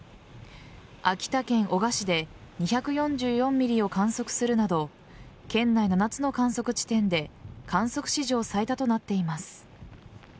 秋田県男鹿市で２４４ｍｍを観測するなど県内７つの観測地点で観測史上最多となっています。